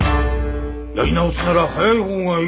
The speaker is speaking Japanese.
やり直すなら早い方がいい。